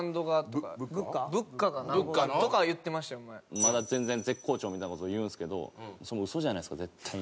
まだ「全然絶好調」みたいな事言うんですけど嘘じゃないですか絶対に。